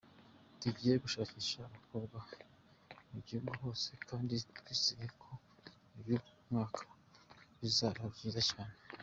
Tugiye gushakisha abakobwa mu gihugu hose kandi twizeye ko uyu mwaka bizaba byiza cyane.